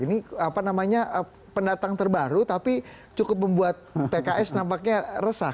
ini pendatang terbaru tapi cukup membuat pks nampaknya resah